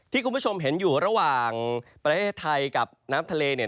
คุณผู้ชมเห็นอยู่ระหว่างประเทศไทยกับน้ำทะเลเนี่ย